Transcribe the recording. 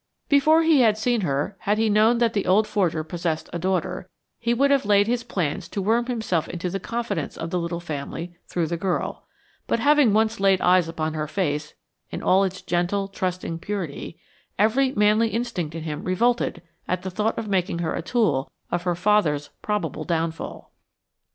Before he had seen her, had he known that the old forger possessed a daughter, he would have laid his plans to worm himself into the confidence of the little family through the girl, but having once laid eyes upon her face in all its gentle, trusting purity, every manly instinct in him revolted at the thought of making her a tool of her father's probable downfall.